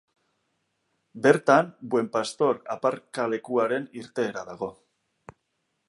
Bertan, Buen Pastor aparkalekuaren irteera dago.